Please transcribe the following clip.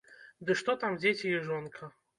Ды што там дзеці і жонка.